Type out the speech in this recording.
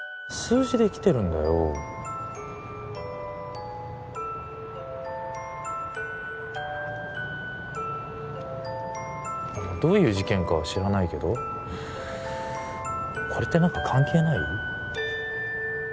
数字で来てるんだよどういう事件かは知らないけどこれって何か関係ない？